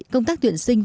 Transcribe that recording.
công tác tuyển sinh